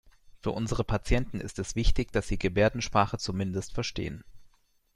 Für unsere Patienten ist es wichtig, dass Sie Gebärdensprache zumindest verstehen.